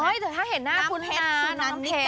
โอ้ยแต่ถ้าเห็นหน้าคุ้นแล้วน้ำเพชรสุนันนิกา